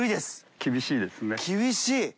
厳しい！